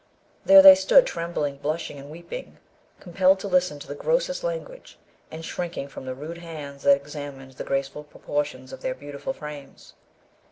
There they stood, trembling, blushing, and weeping; compelled to listen to the grossest language, and shrinking from the rude hands that examined the graceful proportions of their beautiful frames.